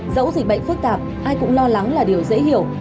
dẫu dịch bệnh phức tạp ai cũng lo lắng là điều dễ hiểu